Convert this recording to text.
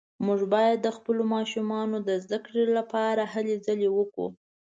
موږ باید د خپلو ماشومانو د زده کړې لپاره هلې ځلې وکړو